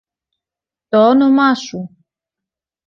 Τ' όνομα σου!